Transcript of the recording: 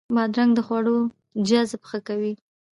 بادرنګ د خوړو جذب ښه کوي.